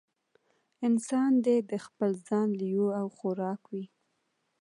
انسان دې د خپل ځان لېوه او خوراک وي.